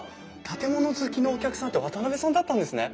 建物好きのお客さんって渡邉さんだったんですね。